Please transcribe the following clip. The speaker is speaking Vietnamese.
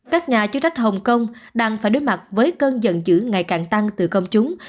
các nhà chức trách hồng kông đang phải đối mặt với cơn giận dữ ngày càng tăng từ công chúng